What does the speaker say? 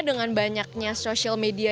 dengan banyaknya sosial media